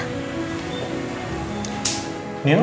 terima kasih bursa